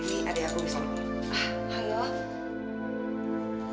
ini adik aku wisnu